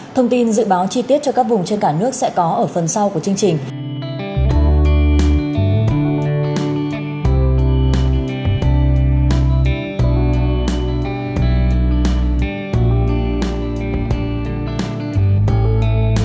thông tin dự báo chi tiết cho các vùng trên cả nước sẽ có ở phần sau của chương trình